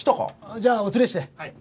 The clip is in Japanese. じゃあお連れして。